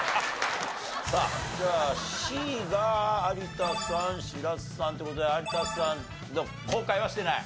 さあじゃあＣが有田さん白洲さんって事で有田さん後悔はしてない？